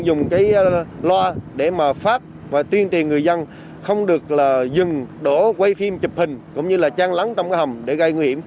dùng cái loa để mà phát và tuyên truyền người dân không được là dừng đổ quay phim chụp hình cũng như là trang lắng trong cái hầm để gây nguy hiểm